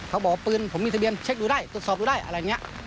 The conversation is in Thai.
บอกว่าปืนผมมีทะเบียนเช็คดูได้ตรวจสอบดูได้อะไรอย่างนี้